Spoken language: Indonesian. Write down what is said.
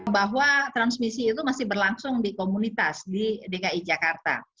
bahwa transmisi itu masih berlangsung di komunitas di dki jakarta